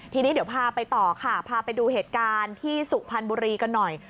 ทีนี้เดี๋ยวพาไปต่อค่ะพาไปดูเหตุการณ์ที่สุพรรณบุรีกันหน่อย